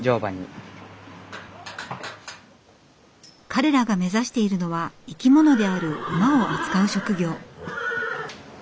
彼らが目指しているのは生き物である馬を扱う職業。